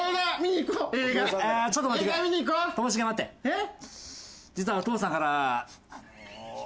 えっ？